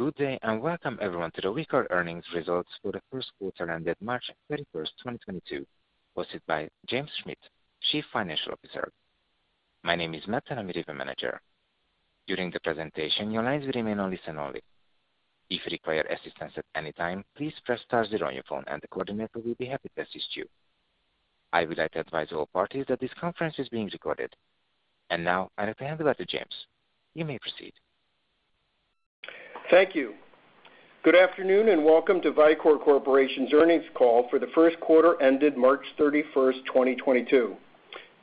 Good day, and welcome everyone to the Vicor earnings results for the first quarter ended March 31st, 2022. Hosted by James Schmidt, Chief Financial Officer. My name is Matt, and I'm your event manager. During the presentation, your lines will remain on listen only. If you require assistance at any time, please press star zero on your phone and the coordinator will be happy to assist you. I would like to advise all parties that this conference is being recorded. Now I will hand over to James. You may proceed. Thank you. Good afternoon, and welcome to Vicor Corporation's earnings call for the first quarter ended March 31st, 2022.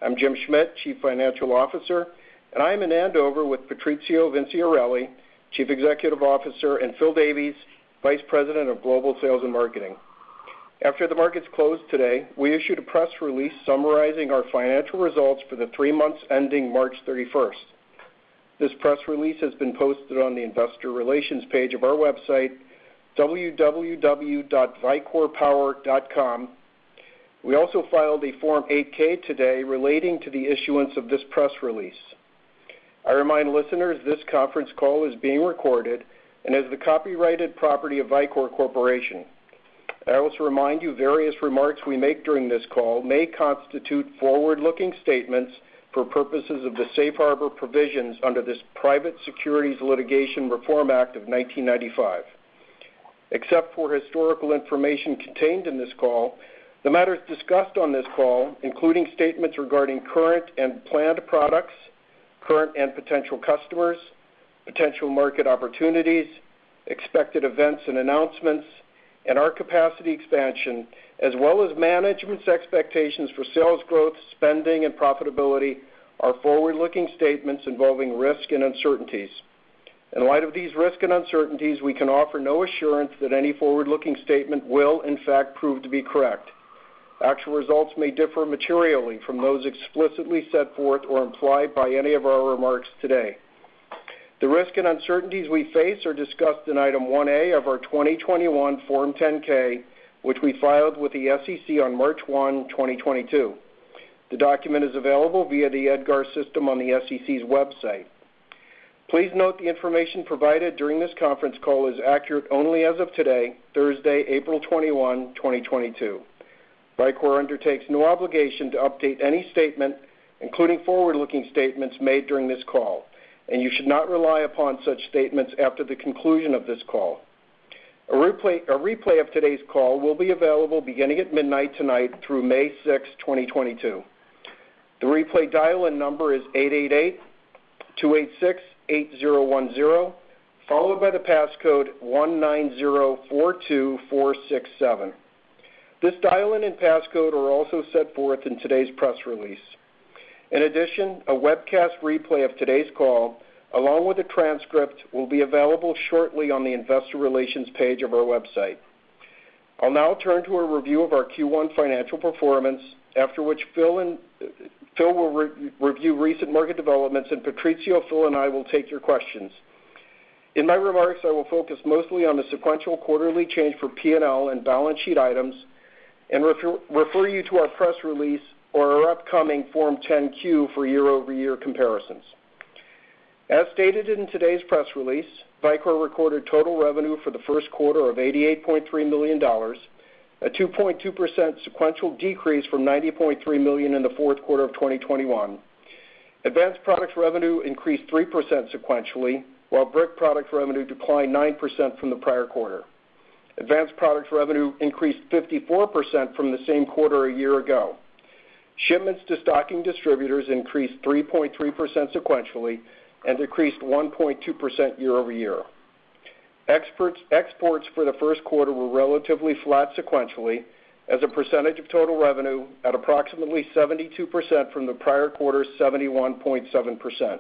I'm Jim Schmidt, Chief Financial Officer, and I am in Andover with Patrizio Vinciarelli, Chief Executive Officer, and Phil Davies, Vice President of Global Sales and Marketing. After the markets closed today, we issued a press release summarizing our financial results for the three months ending March 31st. This press release has been posted on the investor relations page of our website, www.vicorpower.com. We also filed a Form 8-K today relating to the issuance of this press release. I remind listeners this conference call is being recorded and is the copyrighted property of Vicor Corporation. I also remind you various remarks we make during this call may constitute forward-looking statements for purposes of the safe harbor provisions under the Private Securities Litigation Reform Act of 1995. Except for historical information contained in this call, the matters discussed on this call, including statements regarding current and planned products, current and potential customers, potential market opportunities, expected events and announcements, and our capacity expansion, as well as management's expectations for sales growth, spending, and profitability are forward-looking statements involving risk and uncertainties. In light of these risks and uncertainties, we can offer no assurance that any forward-looking statement will in fact prove to be correct. Actual results may differ materially from those explicitly set forth or implied by any of our remarks today. The risk and uncertainties we face are discussed in Item 1A of our 2021 Form 10-K, which we filed with the SEC on March 1, 2022. The document is available via the EDGAR system on the SEC's website. Please note the information provided during this conference call is accurate only as of today, Thursday, April 21, 2022. Vicor undertakes no obligation to update any statement, including forward-looking statements made during this call, and you should not rely upon such statements after the conclusion of this call. A replay of today's call will be available beginning at midnight tonight through May 6, 2022. The replay dial-in number is 888-286-8010, followed by the passcode 19042467. This dial-in and passcode are also set forth in today's press release. In addition, a webcast replay of today's call, along with a transcript, will be available shortly on the investor relations page of our website. I'll now turn to a review of our Q1 financial performance, after which Phil will review recent market developments, and Patrizio, Phil, and I will take your questions. In my remarks, I will focus mostly on the sequential quarterly change for P&L and balance sheet items and refer you to our press release or our upcoming Form 10-Q for year-over-year comparisons. As stated in today's press release, Vicor recorded total revenue for the first quarter of $88.3 million, a 2.2% sequential decrease from $90.3 million in the fourth quarter of 2021. Advanced products revenue increased 3% sequentially, while brick products revenue declined 9% from the prior quarter. Advanced products revenue increased 54% from the same quarter a year ago. Shipments to stocking distributors increased 3.3% sequentially and decreased 1.2% year-over-year. Exports for the first quarter were relatively flat sequentially as a percentage of total revenue at approximately 72% from the prior quarter's 71.7%.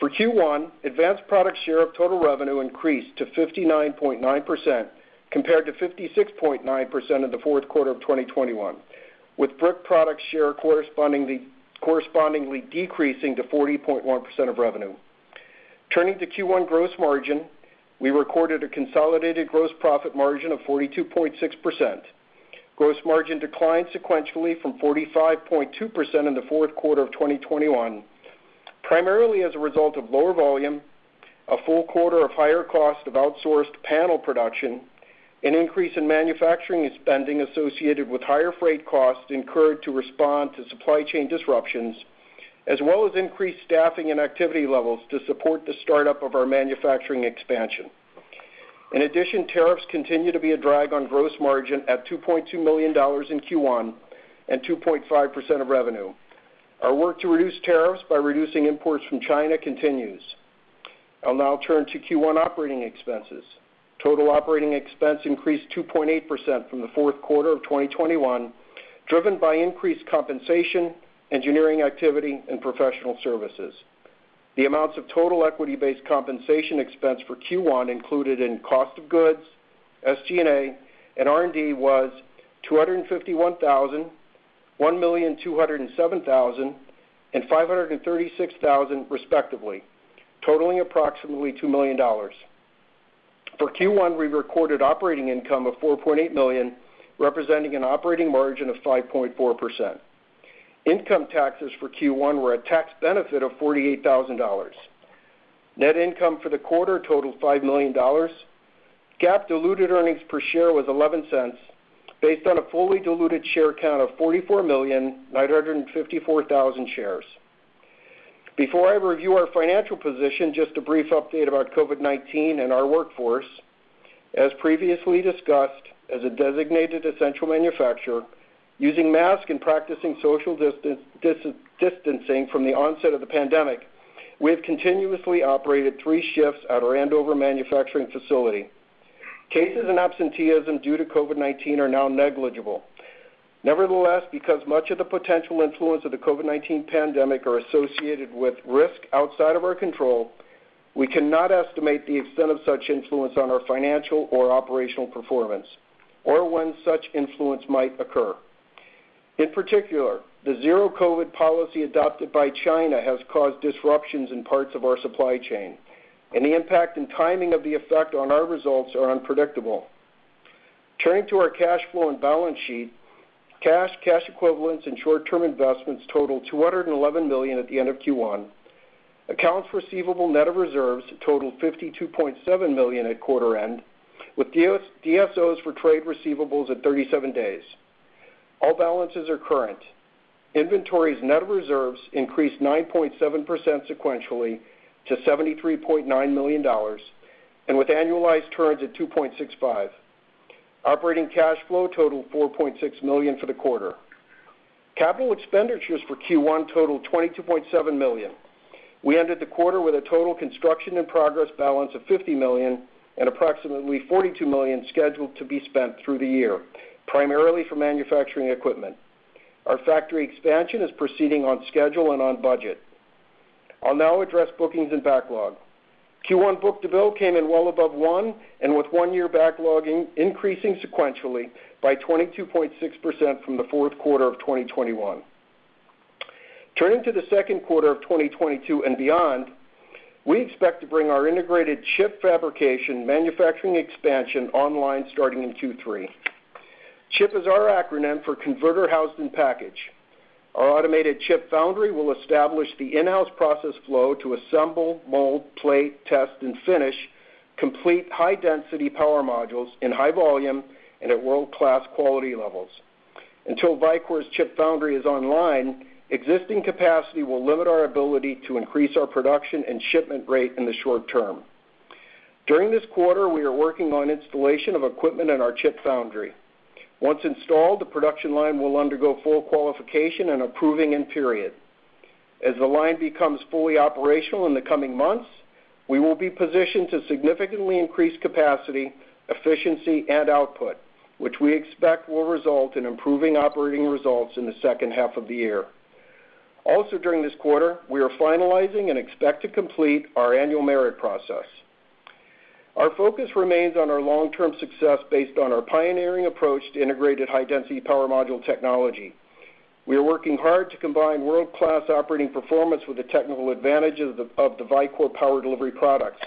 For Q1, advanced product share of total revenue increased to 59.9% compared to 56.9% in the fourth quarter of 2021, with brick product share correspondingly decreasing to 40.1% of revenue. Turning to Q1 gross margin, we recorded a consolidated gross profit margin of 42.6%. Gross margin declined sequentially from 45.2% in the fourth quarter of 2021, primarily as a result of lower volume, a full quarter of higher cost of outsourced panel production, an increase in manufacturing spending associated with higher freight costs incurred to respond to supply chain disruptions, as well as increased staffing and activity levels to support the startup of our manufacturing expansion. In addition, tariffs continue to be a drag on gross margin at $2.2 million in Q1 and 2.5% of revenue. Our work to reduce tariffs by reducing imports from China continues. I'll now turn to Q1 operating expenses. Total operating expense increased 2.8% from the fourth quarter of 2021, driven by increased compensation, engineering activity, and professional services. The amounts of total equity-based compensation expense for Q1 included in cost of goods, SG&A, and R&D was $251,000, $1,207,000, and $536,000 respectively, totaling approximately $2 million. For Q1, we recorded operating income of $4.8 million, representing an operating margin of 5.4%. Income taxes for Q1 were a tax benefit of $48,000. Net income for the quarter totaled $5 million. GAAP diluted earnings per share was $0.11, based on a fully diluted share count of 44,954,000 shares. Before I review our financial position, just a brief update about COVID-19 and our workforce. As previously discussed, as a designated essential manufacturer, using masks and practicing social distancing from the onset of the pandemic, we have continuously operated three shifts at our Andover manufacturing facility. Cases and absenteeism due to COVID-19 are now negligible. Nevertheless, because much of the potential influence of the COVID-19 pandemic are associated with risk outside of our control, we cannot estimate the extent of such influence on our financial or operational performance or when such influence might occur. In particular, the zero-COVID policy adopted by China has caused disruptions in parts of our supply chain, and the impact and timing of the effect on our results are unpredictable. Turning to our cash flow and balance sheet, cash equivalents and short-term investments totaled $211 million at the end of Q1. Accounts receivable net of reserves totaled $52.7 million at quarter end, with DSOs for trade receivables at 37 days. All balances are current. Inventories net of reserves increased 9.7% sequentially to $73.9 million and with annualized turns at 2.65. Operating cash flow totaled $4.6 million for the quarter. Capital expenditures for Q1 totaled $22.7 million. We ended the quarter with a total construction in progress balance of $50 million and approximately $42 million scheduled to be spent through the year, primarily for manufacturing equipment. Our factory expansion is proceeding on schedule and on budget. I'll now address bookings and backlog. Q1 book-to-bill came in well above one and with one year backlog increasing sequentially by 22.6% from the fourth quarter of 2021. Turning to the second quarter of 2022 and beyond, we expect to bring our integrated ChiP fabrication manufacturing expansion online starting in Q3. ChiP is our acronym for Converter housed in Package. Our automated ChiP foundry will establish the in-house process flow to assemble, mold, plate, test, and finish complete high-density power modules in high volume and at world-class quality levels. Until Vicor's ChiP foundry is online, existing capacity will limit our ability to increase our production and shipment rate in the short term. During this quarter, we are working on installation of equipment in our ChiP foundry. Once installed, the production line will undergo full qualification and a proving in period. As the line becomes fully operational in the coming months, we will be positioned to significantly increase capacity, efficiency, and output, which we expect will result in improving operating results in the second half of the year. Also, during this quarter, we are finalizing and expect to complete our annual merit process. Our focus remains on our long-term success based on our pioneering approach to integrated high-density power module technology. We are working hard to combine world-class operating performance with the technical advantages of the Vicor power delivery products.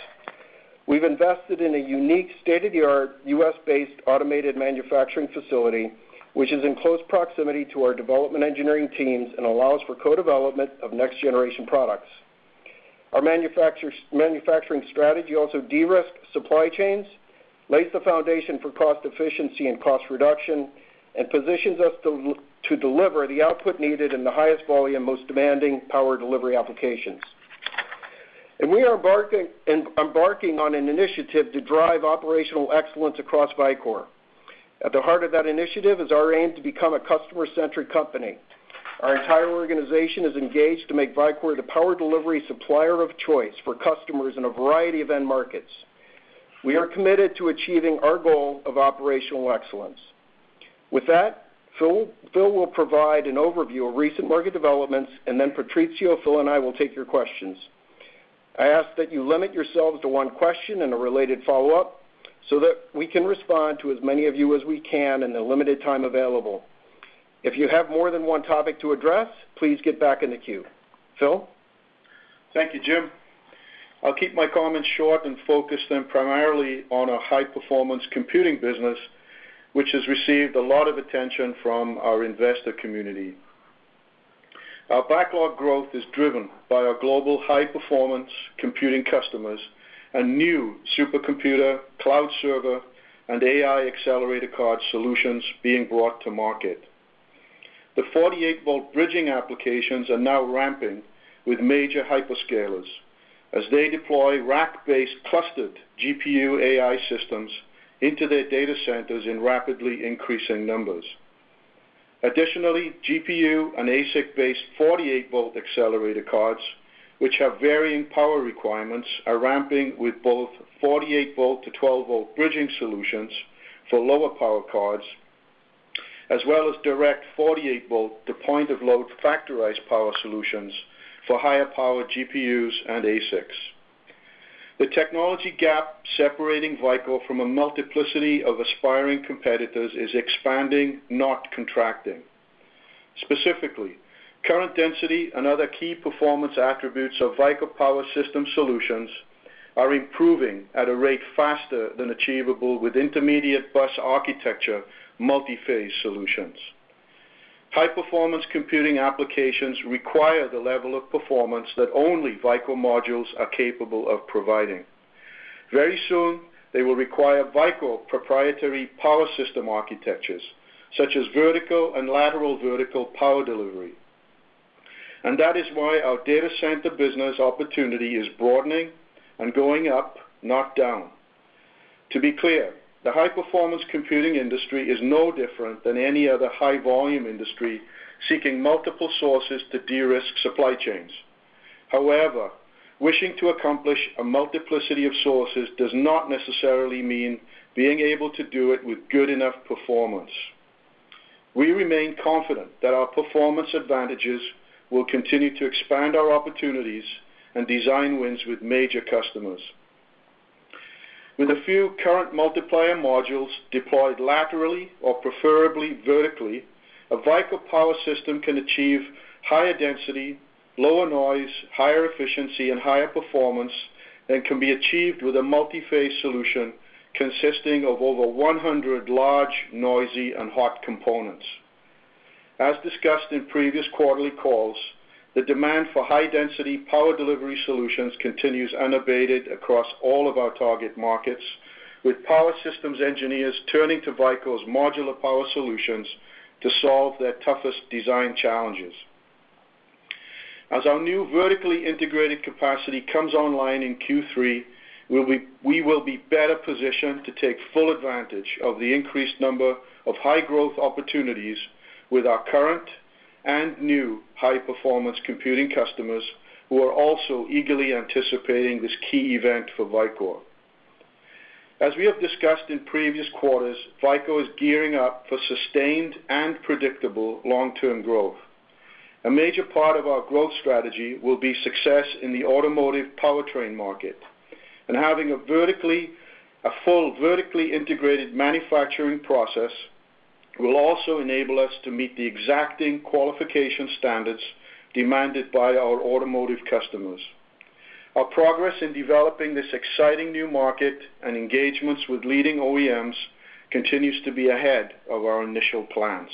We've invested in a unique state-of-the-art U.S.-based automated manufacturing facility, which is in close proximity to our development engineering teams and allows for co-development of next-generation products. Our manufacturing strategy also de-risks supply chains, lays the foundation for cost efficiency and cost reduction, and positions us to deliver the output needed in the highest volume, most demanding power delivery applications. We are embarking on an initiative to drive operational excellence across Vicor. At the heart of that initiative is our aim to become a customer-centric company. Our entire organization is engaged to make Vicor the power delivery supplier of choice for customers in a variety of end markets. We are committed to achieving our goal of operational excellence. With that, Phil will provide an overview of recent market developments, and then Patrizio, Phil, and I will take your questions. I ask that you limit yourselves to one question and a related follow-up so that we can respond to as many of you as we can in the limited time available. If you have more than one topic to address, please get back in the queue. Phil? Thank you, Jim. I'll keep my comments short and focus them primarily on our high-performance computing business, which has received a lot of attention from our investor community. Our backlog growth is driven by our global high-performance computing customers and new supercomputer, cloud server, and AI accelerator card solutions being brought to market. The 48-volt bridging applications are now ramping with major hyperscalers as they deploy rack-based clustered GPU AI systems into their data centers in rapidly increasing numbers. Additionally, GPU and ASIC-based 48-volt accelerator cards, which have varying power requirements, are ramping with both 48-volt to 12-volt bridging solutions for lower power cards, as well as direct 48-volt to point-of-load factorized power solutions for higher power GPUs and ASICs. The technology gap separating Vicor from a multiplicity of aspiring competitors is expanding, not contracting. Specifically, current density and other key performance attributes of Vicor power system solutions are improving at a rate faster than achievable with intermediate bus architecture multiphase solutions. High-performance computing applications require the level of performance that only Vicor modules are capable of providing. Very soon, they will require Vicor proprietary power system architectures, such as vertical and lateral-vertical power delivery. That is why our data center business opportunity is broadening and going up, not down. To be clear, the high-performance computing industry is no different than any other high-volume industry seeking multiple sources to de-risk supply chains. However, wishing to accomplish a multiplicity of sources does not necessarily mean being able to do it with good enough performance. We remain confident that our performance advantages will continue to expand our opportunities and design wins with major customers. With a few current multiplier modules deployed laterally or preferably vertically, a Vicor power system can achieve higher density, lower noise, higher efficiency, and higher performance, and can be achieved with a multiphase solution consisting of over 100 large, noisy, and hot components. As discussed in previous quarterly calls, the demand for high-density power delivery solutions continues unabated across all of our target markets, with power systems engineers turning to Vicor's modular power solutions to solve their toughest design challenges. As our new vertically integrated capacity comes online in Q3, we will be better positioned to take full advantage of the increased number of high-growth opportunities with our current and new high-performance computing customers, who are also eagerly anticipating this key event for Vicor. As we have discussed in previous quarters, Vicor is gearing up for sustained and predictable long-term growth. A major part of our growth strategy will be success in the automotive powertrain market, and having a full vertically integrated manufacturing process will also enable us to meet the exacting qualification standards demanded by our automotive customers. Our progress in developing this exciting new market and engagements with leading OEMs continues to be ahead of our initial plans.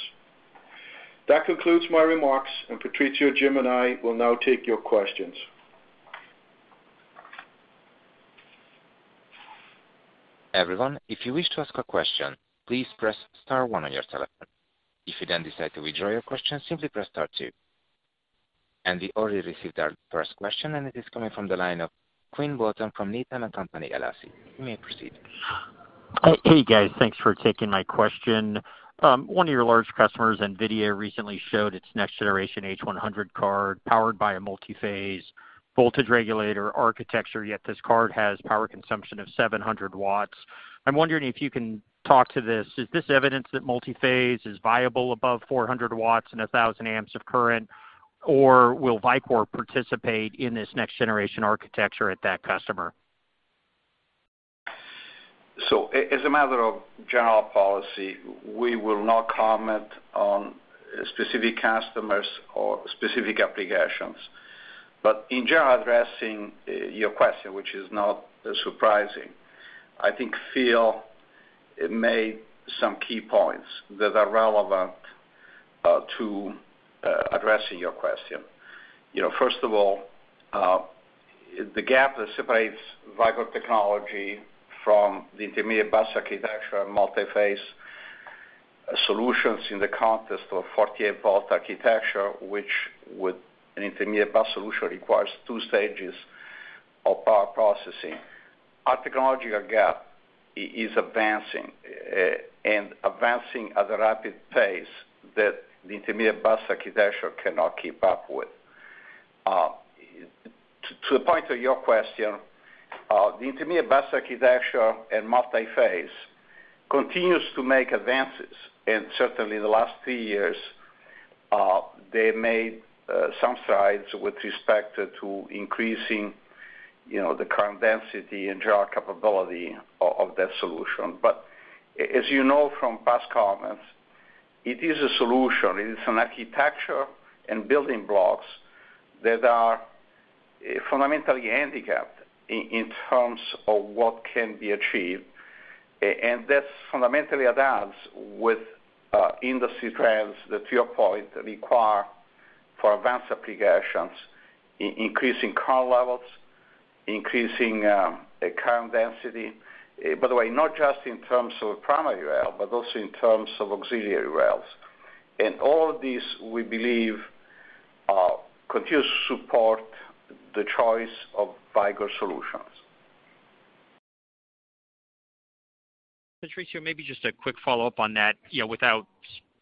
That concludes my remarks, and Patrizio, Jim, and I will now take your questions. Everyone, if you wish to ask a question, please press star one on your telephone. If you then decide to withdraw your question, simply press star two. We already received our first question, and it is coming from the line of Quinn Bolton from Needham & Company, LLC. You may proceed. Hey, guys. Thanks for taking my question. One of your large customers, NVIDIA, recently showed its next-generation H100 card powered by a multiphase voltage regulator architecture, yet this card has power consumption of 700 watts. I'm wondering if you can talk to this. Is this evidence that multiphase is viable above 400 watts and 1,000 amps of current, or will Vicor participate in this next-generation architecture at that customer? As a matter of general policy, we will not comment on specific customers or specific applications. In general, addressing your question, which is not surprising, I think Phil made some key points that are relevant to addressing your question. You know, first of all, the gap that separates Vicor technology from the intermediate bus architecture multiphase solutions in the context of a 48-volt architecture, which with an intermediate bus solution requires 2 stages of power processing, our technological gap is advancing, and advancing at a rapid pace that the intermediate bus architecture cannot keep up with. To the point of your question, the intermediate bus architecture and multiphase continues to make advances, and certainly in the last three years, they made some strides with respect to increasing, you know, the current density and general capability of that solution. As you know from past comments, it is a solution, it is an architecture and building blocks that are fundamentally handicapped in terms of what can be achieved, and that's fundamentally at odds with industry trends that, to your point, require for advanced applications, increasing current levels, increasing current density, by the way, not just in terms of primary rail, but also in terms of auxiliary rails. All of these, we believe, continues to support the choice of Vicor solutions. Patrizio, maybe just a quick follow-up on that. You know, without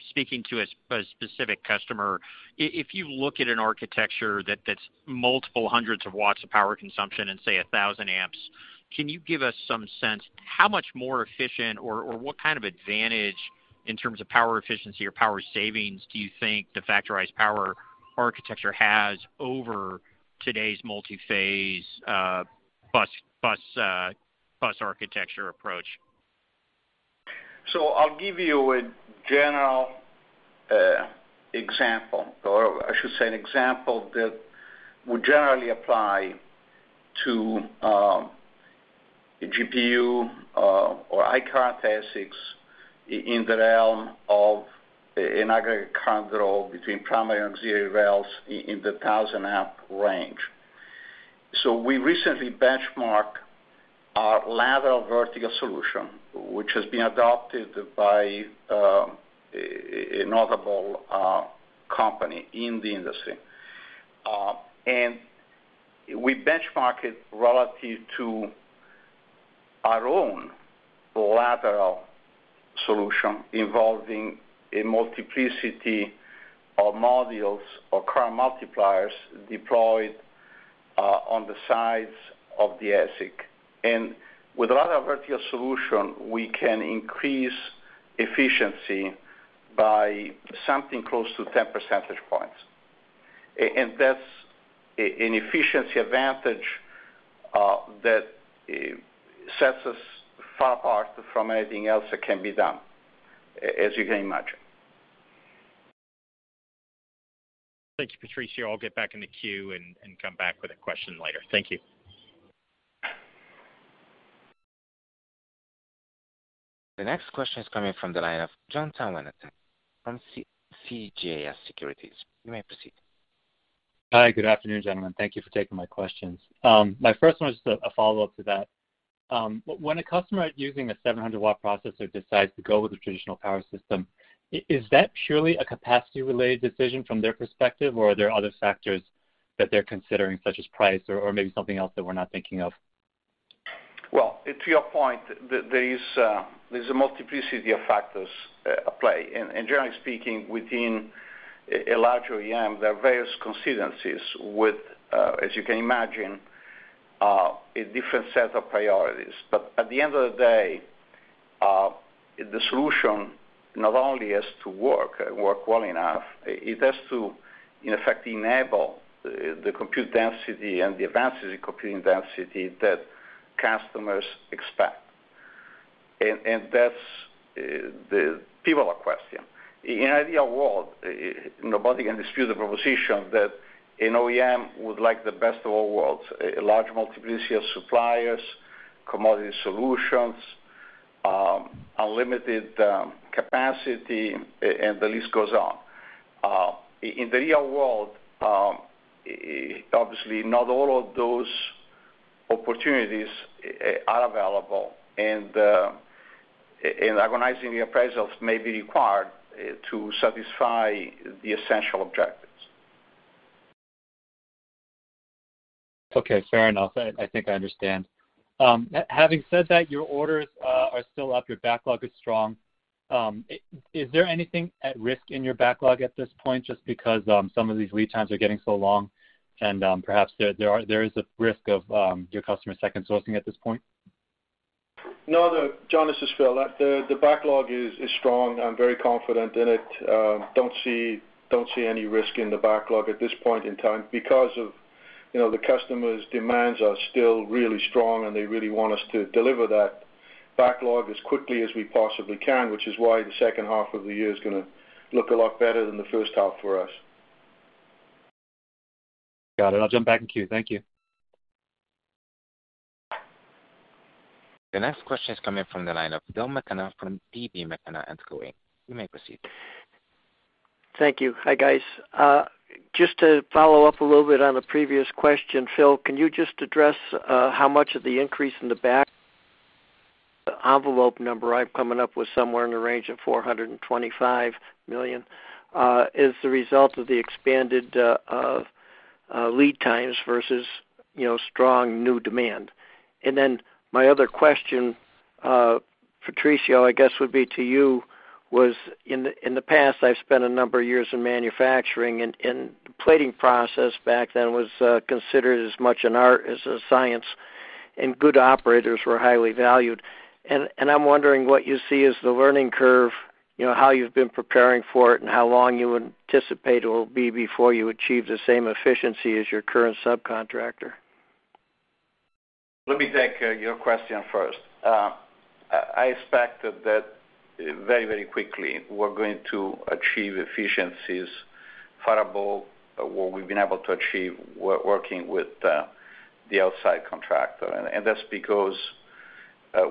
speaking to a specific customer, if you look at an architecture that's multiple hundreds of watts of power consumption and, say, 1,000 amps, can you give us some sense how much more efficient or what kind of advantage in terms of power efficiency or power savings do you think the factorized power architecture has over today's multiphase bus architecture approach? I'll give you a general example, or I should say an example that would generally apply to a GPU or AI card ASICs in aggregate control between primary and auxiliary rails in the 1,000-amp range. We recently benchmarked our lateral-vertical solution, which has been adopted by a notable company in the industry. We benchmark it relative to our own lateral solution involving a multiplicity of modules or current multipliers deployed on the sides of the ASIC. With our vertical solution, we can increase efficiency by something close to 10 percentage points. That's an efficiency advantage that sets us far apart from anything else that can be done, as you can imagine. Thank you, Patrizio. I'll get back in the queue and come back with a question later. Thank you. The next question is coming from the line of Jonathan Tanwanteng from CJS Securities. You may proceed. Hi, good afternoon, gentlemen. Thank you for taking my questions. My first one is just a follow-up to that. When a customer using a 700-watt processor decides to go with a traditional power system, is that purely a capacity related decision from their perspective, or are there other factors that they're considering, such as price or maybe something else that we're not thinking of? Well, to your point, there is a multiplicity of factors at play. Generally speaking, within a larger OEM, there are various constituencies with, as you can imagine, a different set of priorities. At the end of the day, the solution not only has to work well enough, it has to, in effect, enable the compute density and the advances in computing density that customers expect. That's the pivotal question. In an ideal world, nobody can dispute the proposition that an OEM would like the best of all worlds, a large multiplicity of suppliers, commodity solutions, unlimited capacity, and the list goes on. In the real world, obviously not all of those opportunities are available, and agonizing appraisals may be required to satisfy the essential objectives. Okay. Fair enough. I think I understand. Having said that, your orders are still up, your backlog is strong. Is there anything at risk in your backlog at this point, just because some of these lead times are getting so long and perhaps there is a risk of your customers second sourcing at this point? No, no, Jonathan, this is Phil. The backlog is strong. I'm very confident in it. Don't see any risk in the backlog at this point in time because of, you know, the customer's demands are still really strong, and they really want us to deliver that backlog as quickly as we possibly can, which is why the second half of the year is gonna look a lot better than the first half for us. Got it. I'll jump back in queue. Thank you. The next question is coming from the line of Don McKenna from D.B. McKenna & Co, Inc. You may proceed. Thank you. Hi, guys. Just to follow up a little bit on the previous question. Phil, can you just address how much of the increase in the back-of-the-envelope number I'm coming up with somewhere in the range of $425 million is the result of the expanded lead times versus strong new demand? My other question, Patrizio, I guess would be to you. In the past, I've spent a number of years in manufacturing, and the plating process back then was considered as much an art as a science, and good operators were highly valued and I'm wondering what you see as the learning curve, you know, how you've been preparing for it, and how long you anticipate it will be before you achieve the same efficiency as your current subcontractor. Let me take your question first. I expect that very quickly, we're going to achieve efficiencies comparable what we've been able to achieve working with the outside contractor. That's because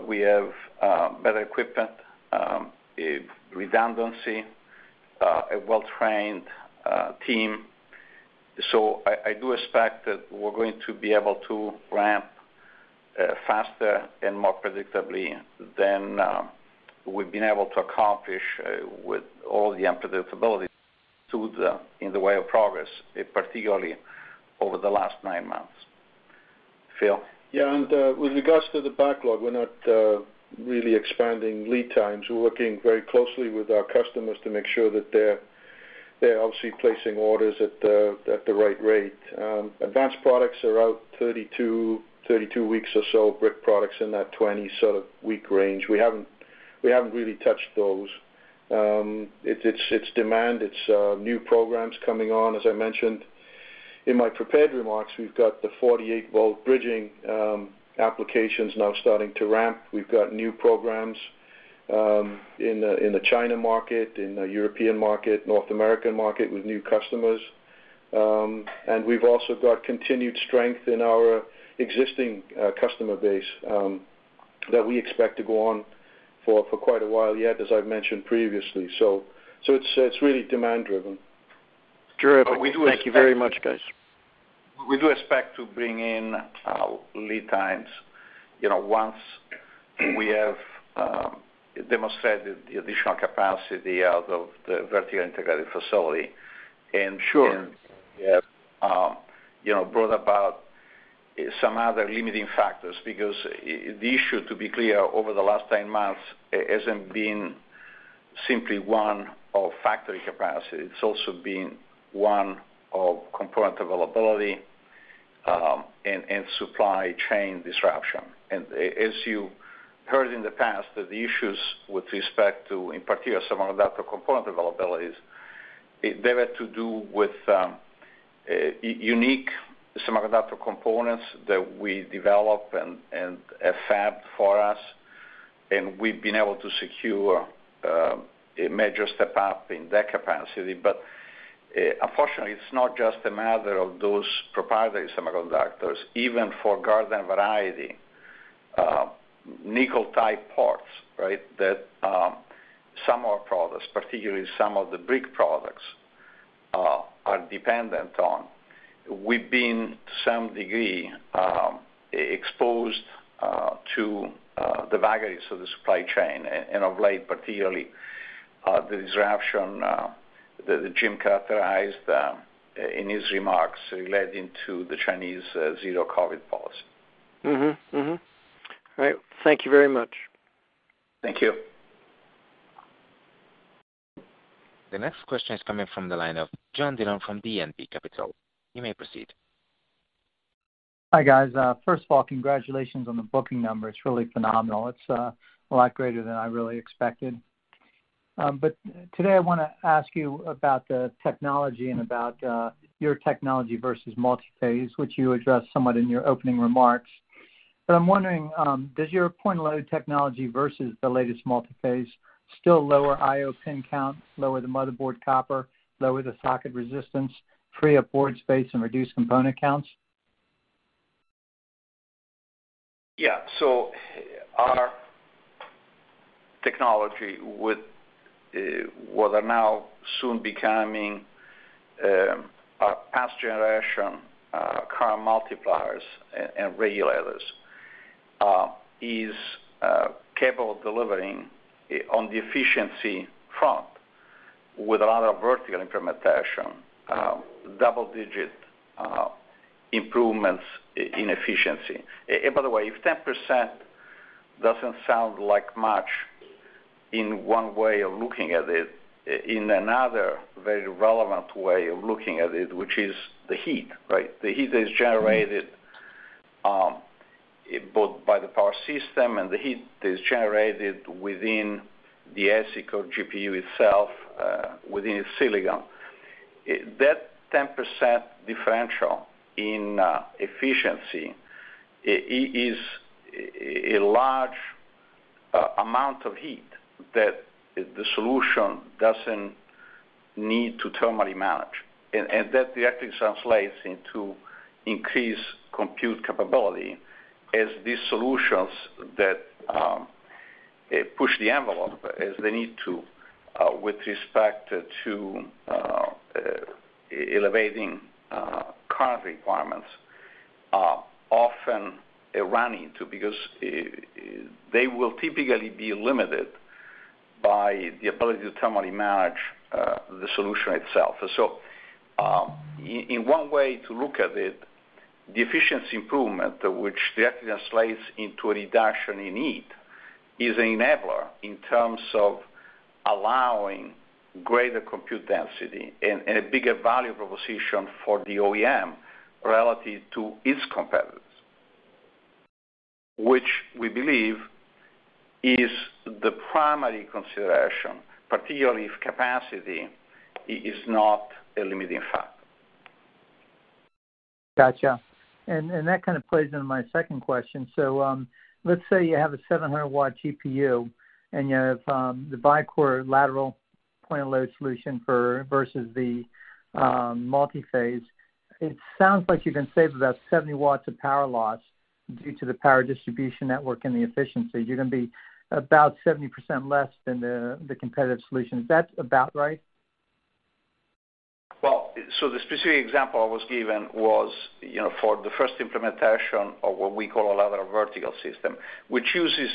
we have better equipment, redundancy, a well-trained team. I do expect that we're going to be able to ramp faster and more predictably than we've been able to accomplish with all the unpredictability in the way of progress, particularly over the last nine months. Phil. With regards to the backlog, we're not really expanding lead times. We're working very closely with our customers to make sure that they're obviously placing orders at the right rate. Advanced products are out 32 weeks or so, brick products in that 20 sort of week range. We haven't really touched those. It's demand, new programs coming on, as I mentioned. In my prepared remarks, we've got the 48-volt bridging applications now starting to ramp. We've got new programs in the China market, in the European market, North American market with new customers. We've also got continued strength in our existing customer base that we expect to go on for quite a while yet, as I've mentioned previously. It's really demand driven. Terrific. Thank you very much, guys. We do expect to bring in lead times, you know, once we have demonstrated the additional capacity out of the vertically integrated facility. Sure, you know, brought about some other limiting factors because the issue, to be clear, over the last 10 months hasn't been simply one of factory capacity, it's also been one of component availability, and supply chain disruption. As you heard in the past, that the issues with respect to, in particular, semiconductor component availabilities, they were to do with unique semiconductor components that we develop and are fabbed for us, and we've been able to secure a major step up in that capacity. Unfortunately, it's not just a matter of those proprietary semiconductors. Even for garden variety nickel-type parts, right, that some of our products, particularly some of the brick products, are dependent on. We've been, to some degree, exposed to the vagaries of the supply chain, and of late, particularly, the disruption that Jim characterized in his remarks relating to the Chinese zero-COVID policy. All right. Thank you very much. Thank you. The next question is coming from the line of John Dillon from D&B Capital. You may proceed. Hi, guys. First of all, congratulations on the booking number. It's really phenomenal. It's a lot greater than I really expected. Today I wanna ask you about the technology and about your technology versus multiphase, which you addressed somewhat in your opening remarks. I'm wondering, does your point-of-load technology versus the latest multiphase still lower I/O pin count, lower the motherboard copper, lower the socket resistance, free up board space and reduce component counts? Yeah. Our technology with what are now soon becoming our past generation current multipliers and regulators is capable of delivering on the efficiency front with a lot of vertical implementation double-digit improvements in efficiency. By the way, if 10% doesn't sound like much in one way of looking at it, in another very relevant way of looking at it, which is the heat, right? The heat is generated both by the power system and within the ASIC or GPU itself within its silicon. That 10% differential in efficiency is a large amount of heat that the solution doesn't need to thermally manage. That directly translates into increased compute capability as these solutions that push the envelope as they need to with respect to elevating current requirements are often run into because they will typically be limited by the ability to thermally manage the solution itself. In one way to look at it, the efficiency improvement, which directly translates into a reduction in heat, is enabler in terms of allowing greater compute density and a bigger value proposition for the OEM relative to its competitors, which we believe is the primary consideration, particularly if capacity is not a limiting factor. Gotcha. That kind of plays into my second question. Let's say you have a 700-watt GPU and you have the BCM lateral point-of-load solution versus the multiphase. It sounds like you can save about 70 watts of power loss due to the power distribution network and the efficiency. You're gonna be about 70% less than the competitive solution. Is that about right? Well, the specific example I was given was, you know, for the first implementation of what we call a lateral vertical system, which uses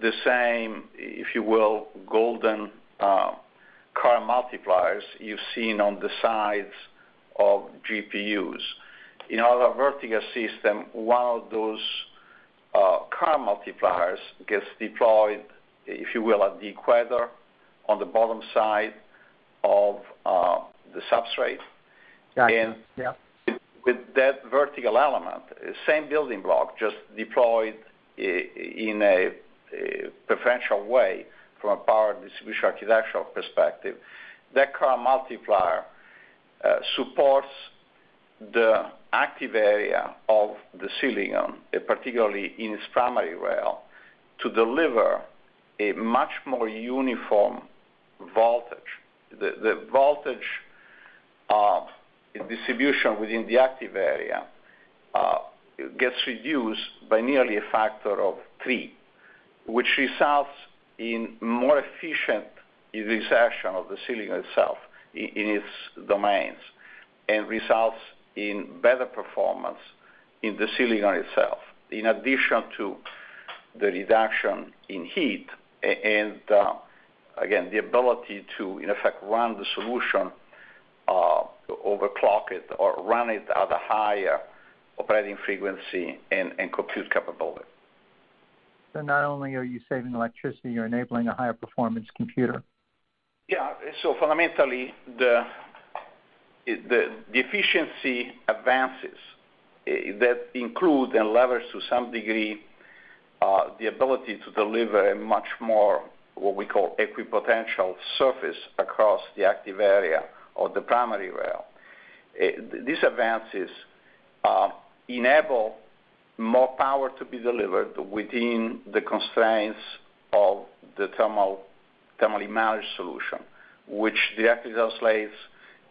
the same, if you will, golden current multipliers you've seen on the sides of GPUs. In our vertical system, one of those current multipliers gets deployed, if you will, at the equator on the bottom side of the substrate. Got you. Yeah. With that vertical element, same building block just deployed in a potential way from a power distribution architectural perspective. That current multiplier supports the active area of the silicon, particularly in its primary rail, to deliver a much more uniform voltage. The voltage distribution within the active area gets reduced by nearly a factor of three, which results in more efficient utilization of the silicon itself in its domains, and results in better performance in the silicon itself, in addition to the reduction in heat and, again, the ability to, in effect, run the solution, overclock it or run it at a higher operating frequency and compute capability. Not only are you saving electricity, you're enabling a higher performance computer. Yeah. Fundamentally, the efficiency advances that include and leverage to some degree the ability to deliver a much more equipotential surface across the active area or the primary rail. These advances enable more power to be delivered within the constraints of the thermally managed solution, which directly translates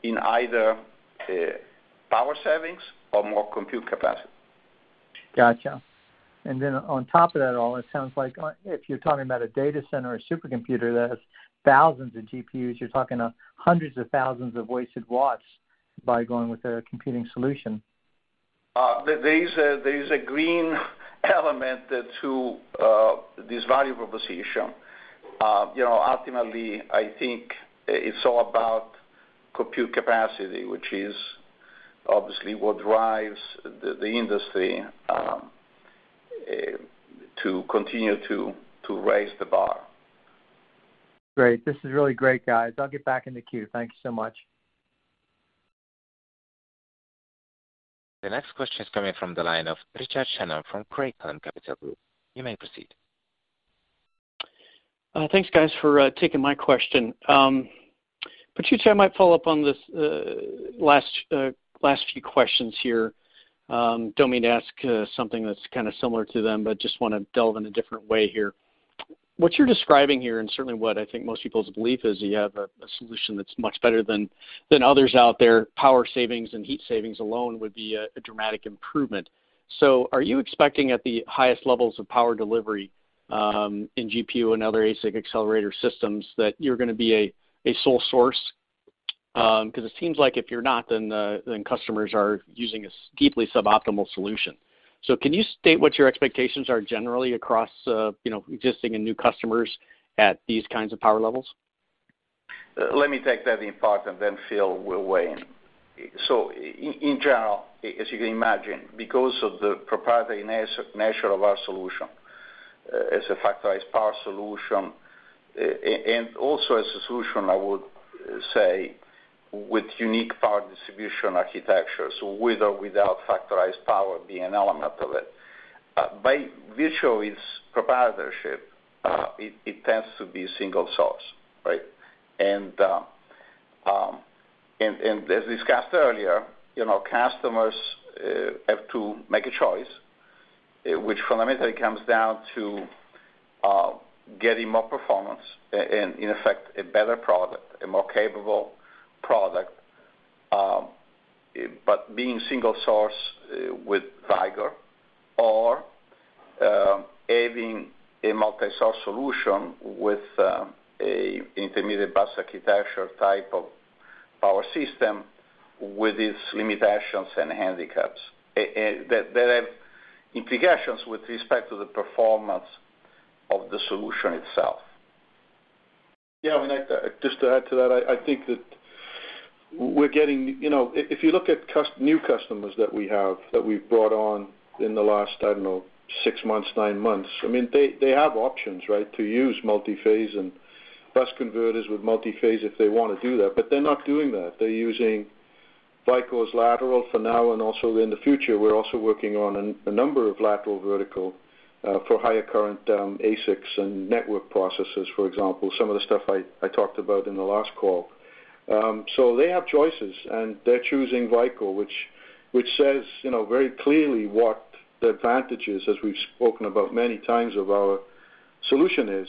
in either power savings or more compute capacity. Gotcha. On top of that all, it sounds like if you're talking about a data center or supercomputer that has thousands of GPUs, you're talking about hundreds of thousands of wasted watts by going with a computing solution. There is a green element to this value proposition. You know, ultimately, I think it's all about compute capacity, which is obviously what drives the industry to continue to raise the bar. Great. This is really great, guys. I'll get back in the queue. Thank you so much. The next question is coming from the line of Richard Shannon from Craig-Hallum Capital Group. You may proceed. Thanks, guys, for taking my question. Patrizio, I might follow up on this last few questions here. Don't mean to ask something that's kind of similar to them, but just wanna delve in a different way here. What you're describing here, and certainly what I think most people's belief is, you have a solution that's much better than others out there. Power savings and heat savings alone would be a dramatic improvement. Are you expecting at the highest levels of power delivery in GPU and other ASIC accelerator systems that you're gonna be a sole source? 'Cause it seems like if you're not, then customers are using a deeply suboptimal solution. Can you state what your expectations are generally across, you know, existing and new customers at these kinds of power levels? Let me take that in part, and then Phil will weigh in. In general, as you can imagine, because of the proprietary nature of our solution as a factorized power solution, and also as a solution, I would say, with unique power distribution architecture, so with or without factorized power being an element of it. By virtue of its proprietorship, it tends to be single source, right? As discussed earlier, you know, customers have to make a choice, which fundamentally comes down to getting more performance and in effect, a better product, a more capable product, but being single source with Vicor or having a multi-source solution with a intermediate bus architecture type of power system with its limitations and handicaps, and that have implications with respect to the performance of the solution itself. Yeah, I mean, just to add to that, I think that we're getting you know, if you look at new customers that we have, that we've brought on in the last, I don't know, six months, nine months, I mean, they have options, right? To use multiphase and bus converters with multiphase if they wanna do that, but they're not doing that. They're using Vicor's lateral for now and also in the future. We're also working on a number of lateral vertical for higher current ASICs and network processors, for example, some of the stuff I talked about in the last call. They have choices, and they're choosing Vicor, which says you know, very clearly what the advantages, as we've spoken about many times of our solution is.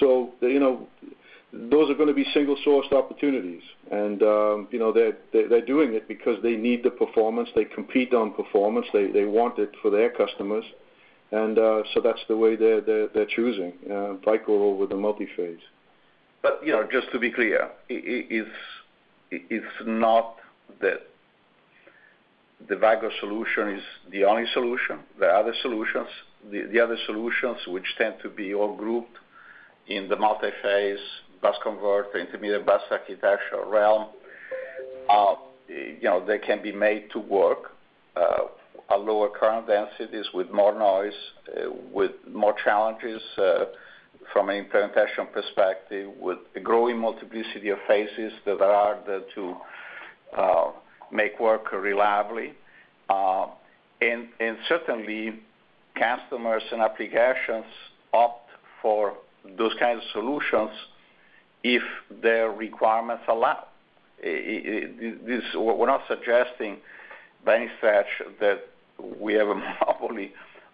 You know, those are gonna be single-sourced opportunities. You know, they're doing it because they need the performance. They compete on performance. They want it for their customers. That's the way they're choosing Vicor over the multiphase. You know, just to be clear, it's not that the Vicor solution is the only solution. There are other solutions. The other solutions, which tend to be all grouped in the multiphase bus converter, intermediate bus architecture realm, you know, they can be made to work at lower current densities with more noise, with more challenges from an implementation perspective, with the growing multiplicity of phases that are there to make work reliably. Certainly, customers and applications opt for those kinds of solutions if their requirements allow. We're not suggesting by any stretch that we have a monopoly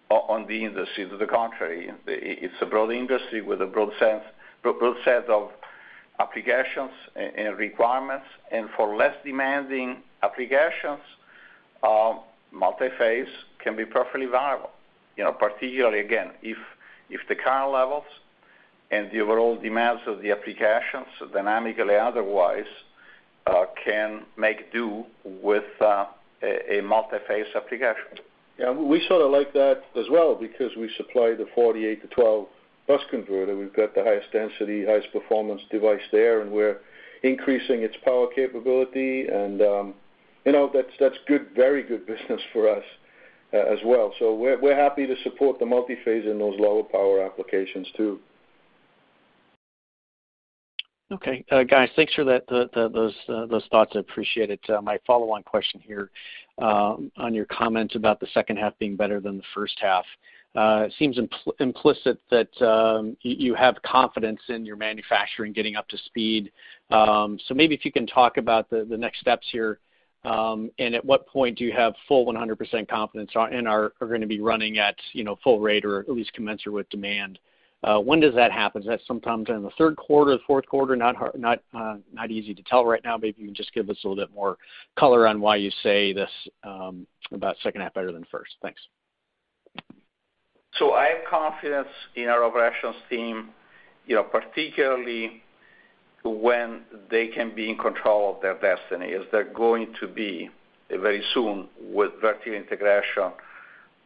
on the industry. To the contrary, it's a broad industry with a broad set of applications and requirements. And for less demanding applications, multiphase can be perfectly viable, you know, particularly again, if the current levels and the overall demands of the applications dynamically otherwise can make do with a multiphase application. Yeah, we sort of like that as well because we supply the 48 to 12 bus converter. We've got the highest density, highest performance device there, and we're increasing its power capability and, you know, that's good, very good business for us as well. We're happy to support the multiphase in those lower power applications too. Okay. Guys, thanks for that, those thoughts. I appreciate it. My follow-on question here, on your comments about the second half being better than the first half. It seems implicit that you have confidence in your manufacturing getting up to speed. So maybe if you can talk about the next steps here, and at what point do you have full 100% confidence and are gonna be running at, you know, full rate or at least commensurate with demand? When does that happen? Is that sometime during the third quarter, fourth quarter? Not easy to tell right now, maybe you can just give us a little bit more color on why you say this about second half better than first. Thanks. I have confidence in our operations team, you know, particularly when they can be in control of their destiny, as they're going to be, very soon with vertical integration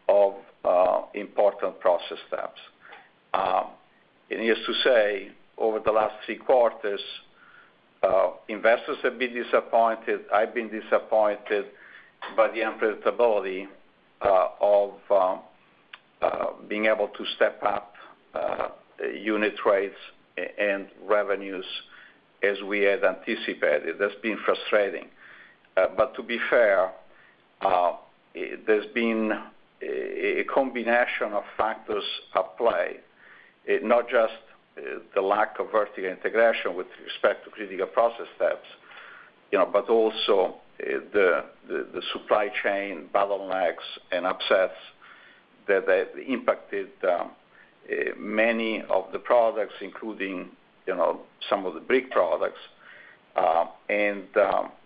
of important process steps. Needless to say, over the last three quarters, investors have been disappointed. I've been disappointed by the unpredictability of being able to step up unit rates and revenues as we had anticipated. That's been frustrating. To be fair, there's been a combination of factors at play, not just the lack of vertical integration with respect to critical process steps, you know, but also the supply chain bottlenecks and upsets that have impacted many of the products, including, you know, some of the big products, and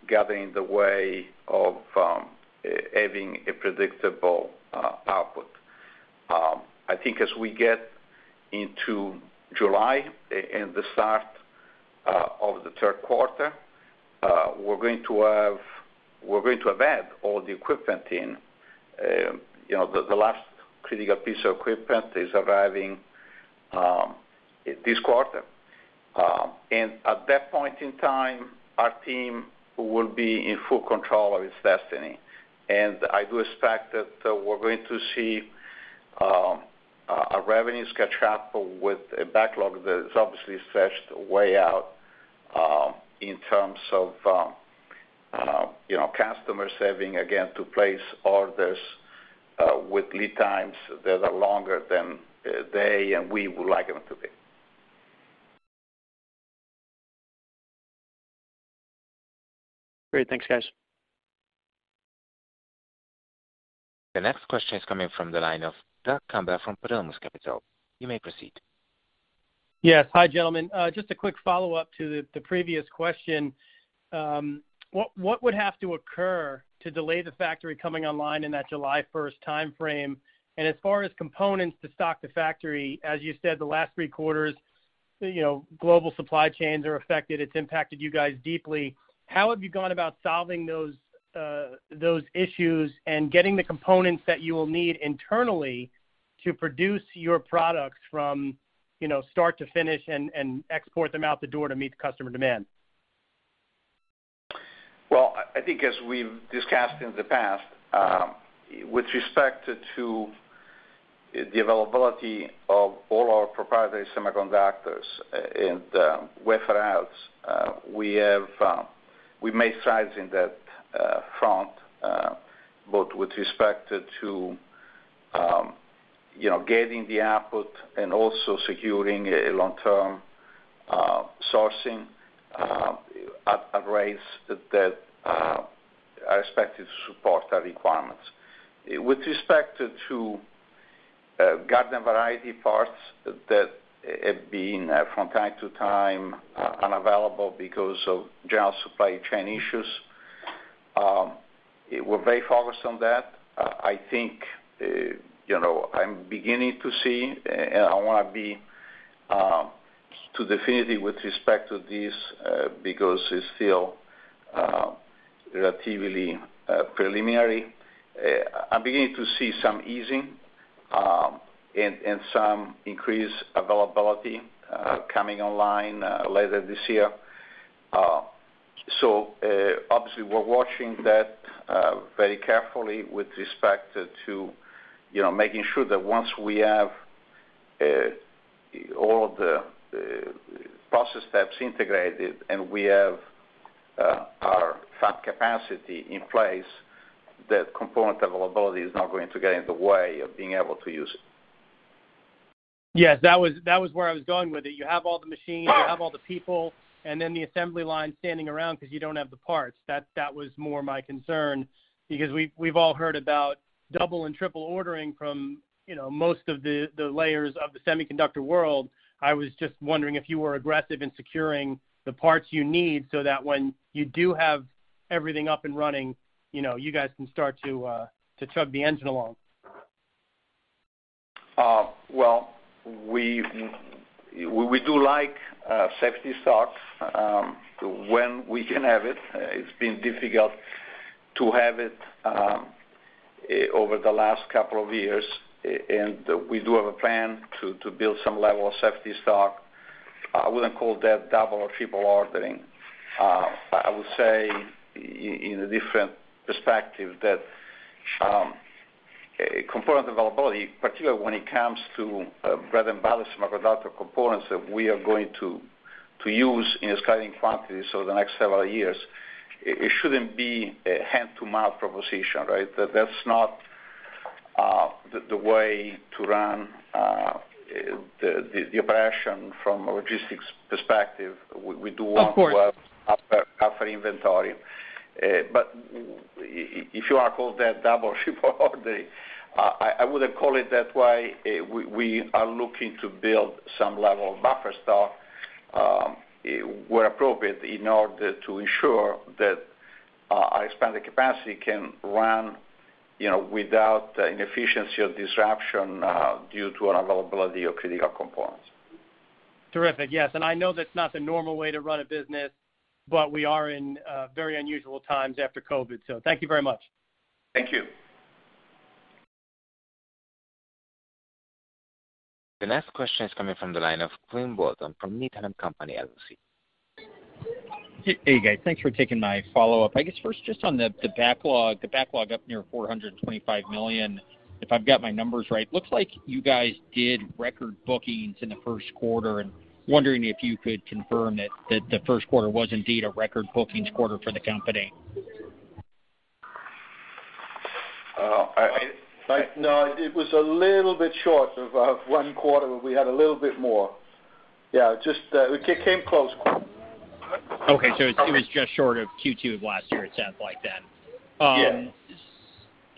got in the way of having a predictable output. I think as we get into July and the start of the third quarter, we're going to have had all the equipment in, you know, the last critical piece of equipment is arriving this quarter. At that point in time, our team will be in full control of its destiny. I do expect that we're going to see a revenue catch-up with a backlog that is obviously stretched way out, in terms of, you know, customers having, again, to place orders with lead times that are longer than they and we would like them to be. Great. Thanks, guys. The next question is coming from the line of Doug Kammer from Promus Capital. You may proceed. Yes. Hi, gentlemen. Just a quick follow-up to the previous question. What would have to occur to delay the factory coming online in that July first timeframe? As far as components to stock the factory, as you said, the last three quarters, you know, global supply chains are affected. It's impacted you guys deeply. How have you gone about solving those issues and getting the components that you will need internally to produce your products from, you know, start to finish and export them out the door to meet customer demand? Well, I think as we've discussed in the past, with respect to the availability of all our proprietary semiconductors and wafer outs, we've made strides in that front, both with respect to you know, getting the output and also securing a long-term sourcing at rates that are expected to support our requirements. With respect to garden variety parts that have been from time to time unavailable because of general supply chain issues, we're very focused on that. I think you know, I'm beginning to see, and I don't wanna be too definitive with respect to this, because it's still relatively preliminary. I'm beginning to see some easing and some increased availability coming online later this year. Obviously we're watching that very carefully with respect to, you know, making sure that once we have all of the process steps integrated and we have our fab capacity in place, that component availability is not going to get in the way of being able to use it. Yes, that was where I was going with it. You have all the machines, you have all the people, and then the assembly line standing around because you don't have the parts. That was more my concern because we've all heard about double and triple ordering from, you know, most of the layers of the semiconductor world. I was just wondering if you were aggressive in securing the parts you need so that when you do have everything up and running, you know, you guys can start to chug the engine along. Well, we do like safety stocks when we can have it. It's been difficult to have it over the last couple of years, and we do have a plan to build some level of safety stock. I wouldn't call that double or triple ordering. I would say in a different perspective that component availability, particularly when it comes to bread and butter semiconductor components that we are going to use in astounding quantities over the next several years, it shouldn't be a hand-to-mouth proposition, right? That's not the way to run the operation from a logistics perspective. We do want to have Of course. buffer inventory. If you want to call that double or triple ordering, I wouldn't call it that way. We are looking to build some level of buffer stock, where appropriate in order to ensure that our expanded capacity can run, you know, without inefficiency or disruption, due to unavailability of critical components. Terrific. Yes. I know that's not the normal way to run a business, but we are in very unusual times after COVID. Thank you very much. Thank you. The next question is coming from the line of Quinn Bolton from Needham & Company, LLC. Hey, guys. Thanks for taking my follow-up. I guess first, just on the backlog. The backlog up near $425 million, if I've got my numbers right. Looks like you guys did record bookings in the first quarter, and wondering if you could confirm that the first quarter was indeed a record bookings quarter for the company. No, it was a little bit short of one quarter, we had a little bit more. Yeah, just, it came close. Okay. It was just short of Q2 of last year, it sounds like then.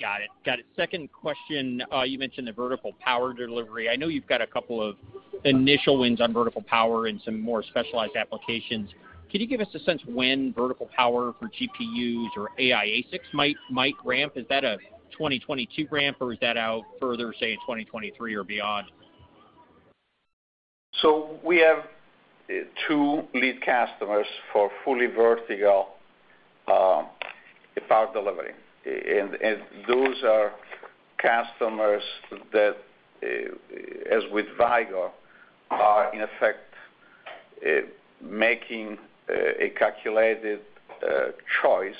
Yes. Got it. Second question. You mentioned the vertical power delivery. I know you've got a couple of initial wins on vertical power and some more specialized applications. Can you give us a sense when vertical power for GPUs or AI ASICs might ramp? Is that a 2022 ramp, or is that out further, say, in 2023 or beyond? We have two lead customers for fully vertical power delivery. Those are customers that, as with Vicor, are in effect making a calculated choice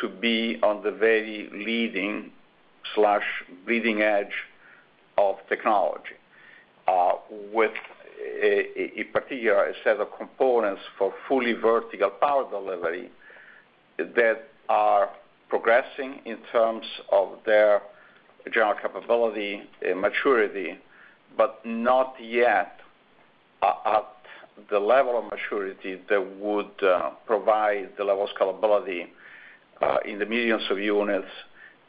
to be on the very leading/bleeding edge of technology with a particular set of components for fully vertical power delivery that are progressing in terms of their general capability and maturity, but not yet at the level of maturity that would provide the level of scalability in the millions of units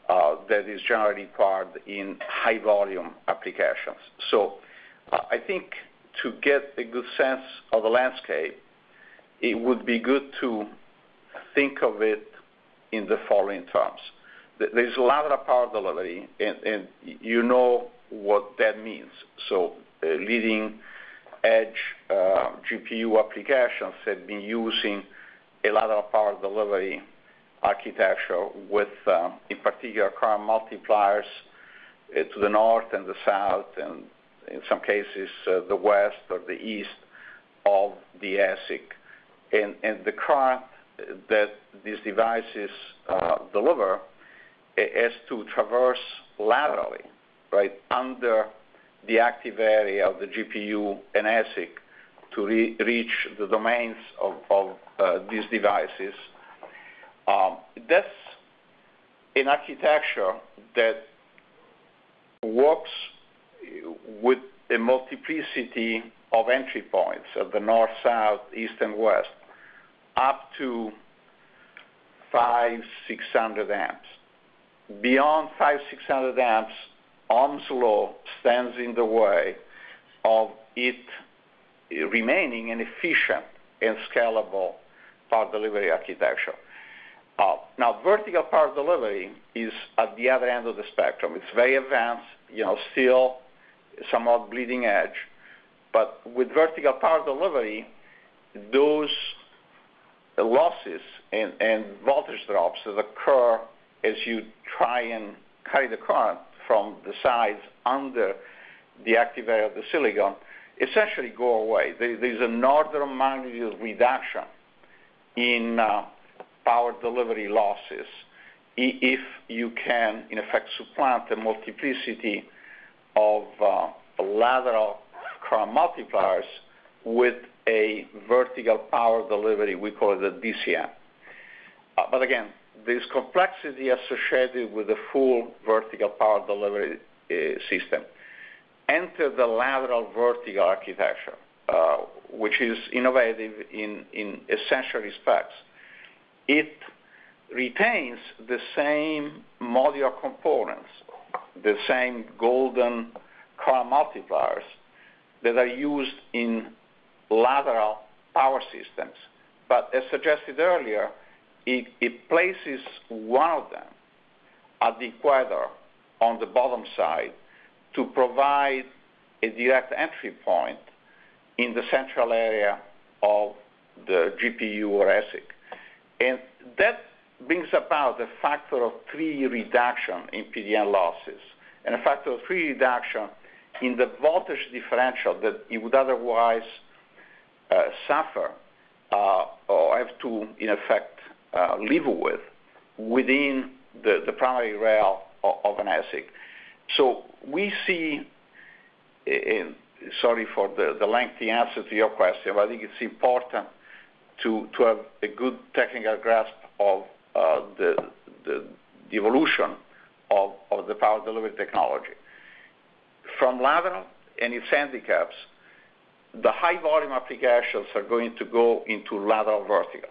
that is generally required in high volume applications. I think to get a good sense of the landscape, it would be good to think of it in the following terms. There's lateral power delivery, you know what that means. Leading edge GPU applications have been using a lateral power delivery architecture with, in particular, current multipliers to the north and the south, and in some cases, the west or the east of the ASIC. The current that these devices deliver has to traverse laterally, right, under the active area of the GPU and ASIC to reach the domains of these devices. That's an architecture that works with a multiplicity of entry points of the north, south, east, and west, up to 500-600 amps. Beyond 500-600 amps, Ohm's law stands in the way of it remaining an efficient and scalable power delivery architecture. Now vertical power delivery is at the other end of the spectrum. It's very advanced, you know, still somewhat bleeding edge. With vertical power delivery, those losses and voltage drops that occur as you try and carry the current from the sides under the active area of the silicon essentially go away. There's an order of magnitude reduction in power delivery losses if you can, in effect, supplant the multiplicity of lateral current multipliers with a vertical power delivery, we call it the DCM. Again, there's complexity associated with the full vertical power delivery system. Enter the lateral-vertical architecture, which is innovative in essential respects. It retains the same modular components, the same golden current multipliers that are used in lateral power systems. As suggested earlier, it places one of them at the equator on the bottom side to provide a direct entry point in the central area of the GPU or ASIC. That brings about a factor of three reduction in PDN losses, and a factor of three reduction in the voltage differential that it would otherwise suffer, or have to, in effect, live with within the primary rail of an ASIC. Sorry for the lengthy answer to your question, but I think it's important to have a good technical grasp of the evolution of the power delivery technology. From lateral and its handicaps, the high volume applications are going to go into lateral-vertical.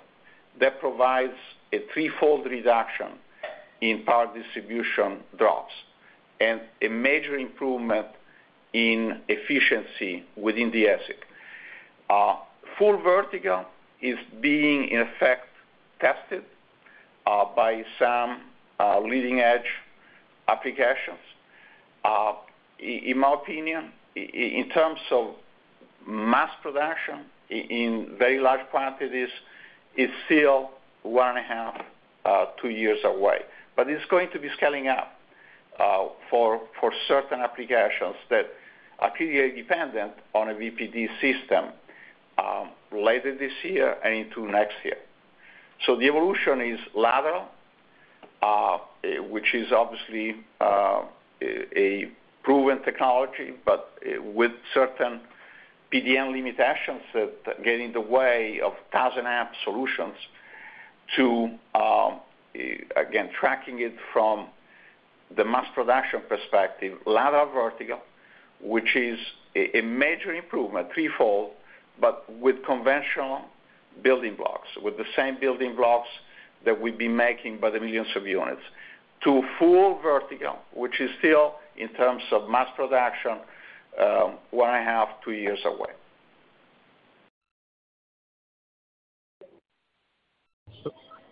That provides a threefold reduction in power distribution drops and a major improvement in efficiency within the ASIC. Full vertical is being, in effect, tested by some leading-edge applications. In my opinion, in terms of mass production in very large quantities, it's still one and a half to two years away. It's going to be scaling up for certain applications that are PDN-dependent on a VPD system later this year and into next year. The evolution is lateral, which is obviously a proven technology, but with certain PDN limitations that get in the way of 1000-amp solutions. To again, tracking it from the mass production perspective, lateral-vertical, which is a major improvement, threefold, but with conventional building blocks, with the same building blocks that we've been making by the millions of units, to full vertical, which is still, in terms of mass production, one and a half to two years away.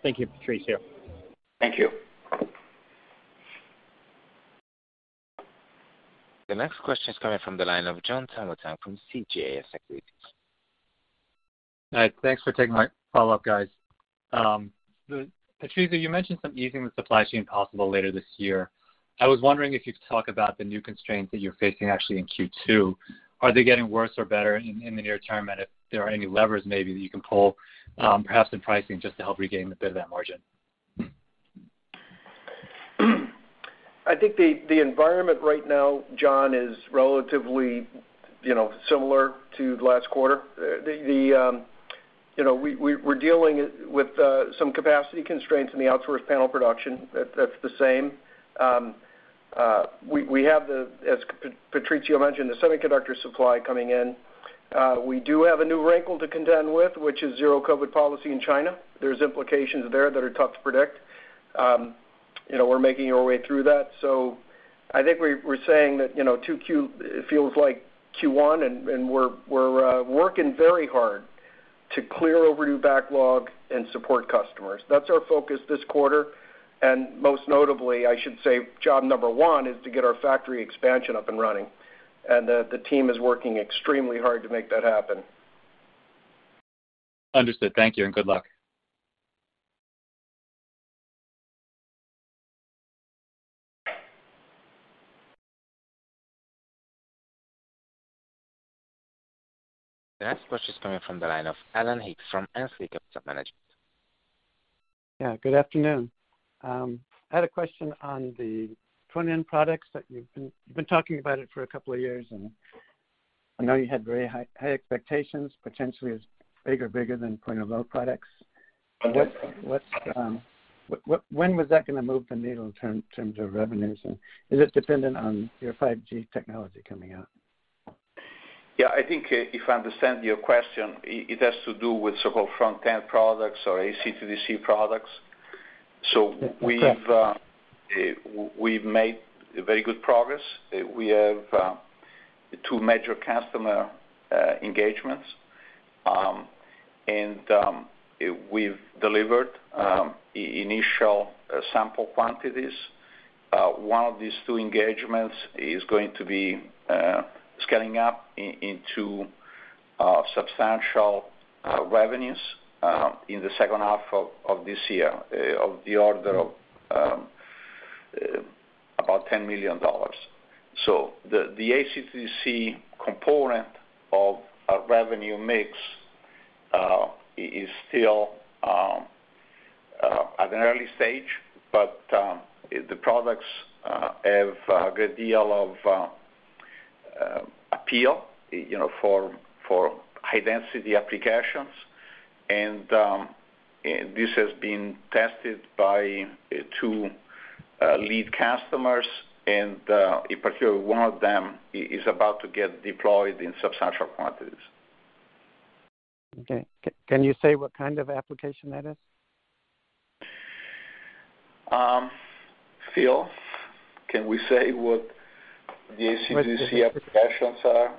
Thank you, Patrizio. Thank you. The next question is coming from the line of John Dillon from D&B Capital. All right, thanks for taking my follow-up, guys. Patrizio, you mentioned some easing in the supply chain possible later this year. I was wondering if you could talk about the new constraints that you're facing actually in Q2. Are they getting worse or better in the near term? And if there are any levers maybe that you can pull, perhaps in pricing just to help regain a bit of that margin? I think the environment right now, John, is relatively, you know, similar to last quarter. We're dealing with some capacity constraints in the outsourced panel production. That's the same. We have, as Patrizio mentioned, the semiconductor supply coming in. We do have a new wrinkle to contend with, which is zero COVID policy in China. There's implications there that are tough to predict. You know, we're making our way through that. I think we're saying that, you know, 2Q feels like Q1, and we're working very hard to clear overdue backlog and support customers. That's our focus this quarter. Most notably, I should say job number one is to get our factory expansion up and running. The team is working extremely hard to make that happen. Understood. Thank you, and good luck. The next question is coming from the line of Alan Hicks from Ainsley Capital Management. Yeah, good afternoon. I had a question on the front-end products that you've been talking about for a couple of years, and I know you had very high expectations, potentially as big or bigger than point-of-load products. When was that gonna move the needle in terms of revenues? And is it dependent on your ChiP technology coming out? Yeah. I think if I understand your question, it has to do with so-called front-end products or AC to DC products. Yes. We've made very good progress. We have two major customer engagements, and we've delivered initial sample quantities. One of these two engagements is going to be scaling up into substantial revenues in the second half of this year of the order of about $10 million. The AC-DC component of our revenue mix is still at an early stage, but the products have a good deal of appeal, you know, for high density applications. This has been tested by two lead customers, and in particular, one of them is about to get deployed in substantial quantities. Okay. Can you say what kind of application that is? Phil, can we say what the AC/DC applications are?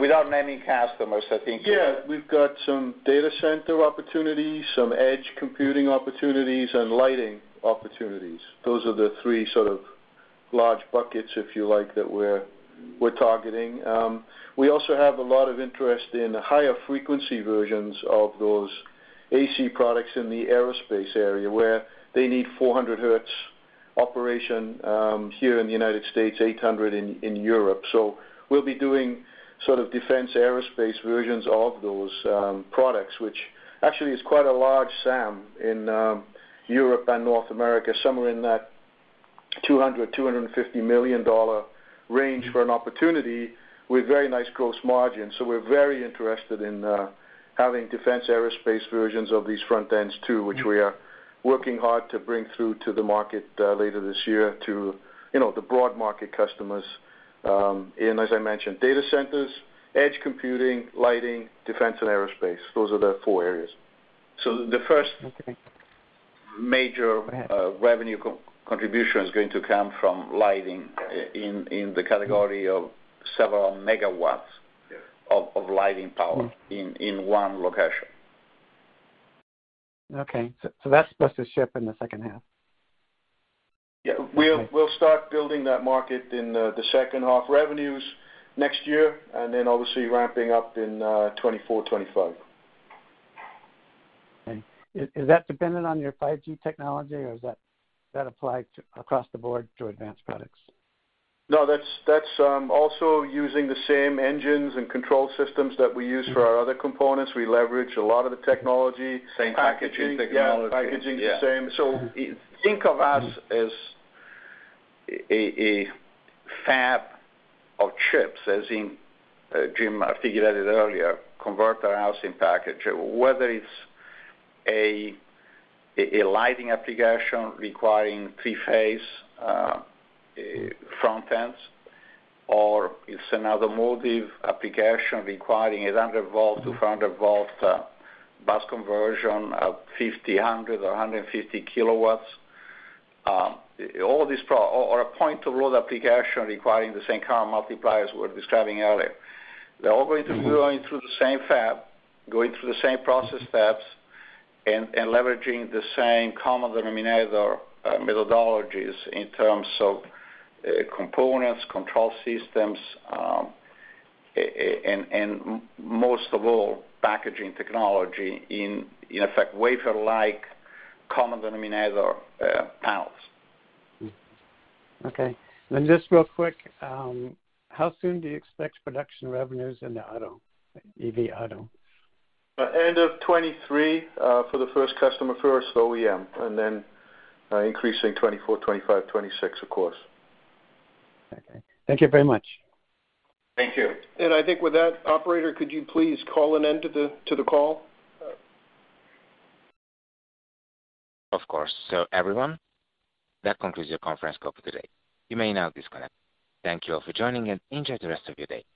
Without naming customers, I think. Yeah. We've got some data center opportunities, some edge computing opportunities, and lighting opportunities. Those are the three sort of large buckets, if you like, that we're targeting. We also have a lot of interest in the higher frequency versions of those AC products in the aerospace area, where they need 400 hertz operation here in the United States, 800 in Europe. We'll be doing sort of defense aerospace versions of those products, which actually is quite a large SAM in Europe and North America, somewhere in that $200-$250 million range for an opportunity with very nice gross margins. So we're very interested in having defense aerospace versions of these front ends too, which we are working hard to bring through to the market, later this year to, you know, the broad market customers, in, as I mentioned, data centers, edge computing, lighting, defense and aerospace. Those are the four areas. The first major revenue contribution is going to come from lighting in the category of several megawatts of, of lighting power in one location. Okay. That's supposed to ship in the second half? Yeah. We'll start building that market in the second half revenues next year, and then obviously ramping up in 2024, 2025. Okay. Is that dependent on your ChiP technology, or does that apply across the board to advanced products? No, that's also using the same engines and control systems that we use for our other components. We leverage a lot of the technology. Same packaging technology. Yeah, packaging's the same. Think of us as a fab of chips, as in Jim articulated earlier, Converter housed in Package. Whether it's a lighting application requiring three-phase front ends, or it's another automotive application requiring a 100-volt, 200-volt bus conversion of 50, 100, or 150 kilowatts. All these, or a point-of-load application requiring the same current multipliers we were describing earlier. They're all going to be going through the same fab, going through the same process steps, and leveraging the same common denominator methodologies in terms of components, control systems, and most of all, packaging technology in effect, wafer-like common denominator panels. Okay. Just real quick, how soon do you expect production revenues in the auto, EV auto? End of 2023, for the first customer, first OEM, and then, increasing 2024, 2025, 2026, of course. Okay. Thank you very much. Thank you. I think with that, operator, could you please call an end to the call? Of course. Everyone, that concludes your conference call for today. You may now disconnect. Thank you all for joining, and enjoy the rest of your day.